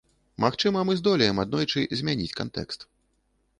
Магчыма, мы здолеем аднойчы змяніць кантэкст.